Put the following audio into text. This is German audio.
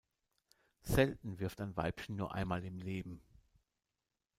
Selten wirft ein Weibchen nur einmal im Leben.